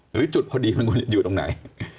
หรือจุดพอดีมันอยู่ตรงไหน